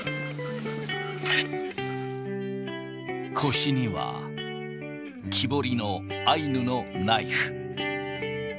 腰には、木彫りのアイヌのナイフ。